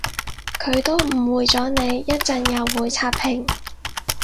佢都誤會咗你，一陣又會刷屏